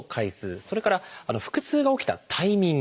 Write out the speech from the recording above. それから「腹痛が起きたタイミング」。